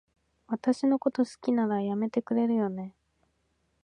私のこと好きなら、やめてくれるよね？